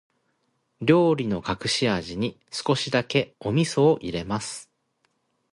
料理の隠し味に、少しだけお味噌を入れます。